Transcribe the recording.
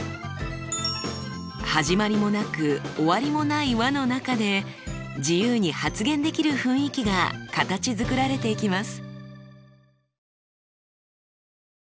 始まりもなく終わりもない輪の中で自由に発言できる雰囲気が形づくられていきます。